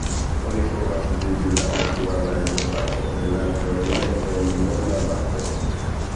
Oni povas vidi la aktualajn partoprenantojn en monda mapo.